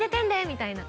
みたいな